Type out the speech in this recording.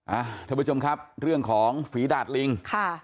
ท่านผู้ชมครับเรื่องของฝีดาดลิงค่ะ